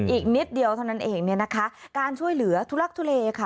อีกนิดเดียวเท่านั้นเองเนี่ยนะคะการช่วยเหลือทุลักทุเลค่ะ